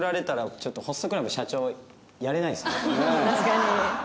確かに。